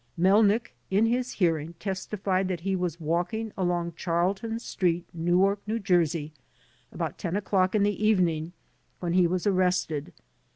Melnick in his hearing testified that he was walking along Charlton Street, Newark, N. J., about ten o'clock in the evening when he was arrested.